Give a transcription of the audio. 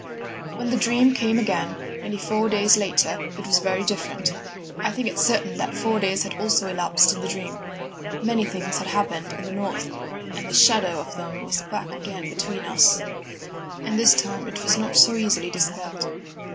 "When the dream came again, nearly four days later, it was very different. I think it certain that four days had also elapsed in the dream. Many things had happened in the north, and the shadow of them was back again between us, and this time it was not so easily dispelled.